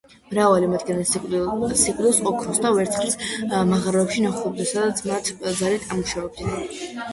მრავალი მათგანი სიკვდილს ოქროს და ვერცხლის მაღაროებში ნახულობდა, სადაც მათ ძალით ამუშავებდნენ.